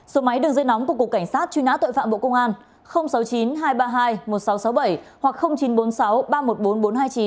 số máy đường dây nóng của cục cảnh sát truy nã tội phạm bộ công an sáu mươi chín hai trăm ba mươi hai một nghìn sáu trăm sáu mươi bảy hoặc chín trăm bốn mươi sáu ba trăm một mươi bốn nghìn bốn trăm hai mươi chín